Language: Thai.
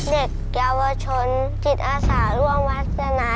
เด็กเยาวชนจิตอาสาร่วมวาสนา